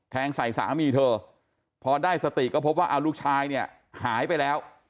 แทงใส่สามีเธอพอได้สติก็พบว่าลูกชายหายไปแล้ว